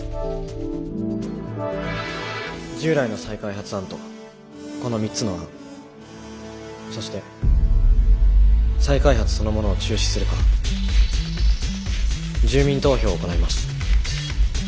従来の再開発案とこの３つの案そして再開発そのものを中止するか住民投票を行います。